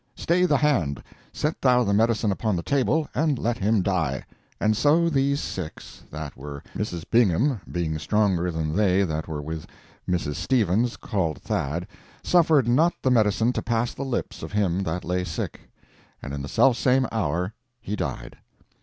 Stay the hand—set thou the medicine upon the table and let him die! And so, these six, that were Mrs. Bingham, being stronger than they that were with Mrs. Stevens, called Thad, suffered not the medicine to pass the lips of him that lay sick. And in the self same hour he died.